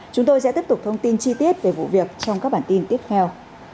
chúng tôi sẽ tiếp tục thông tin chi tiết về vụ việc trong các bản tin tiếp theo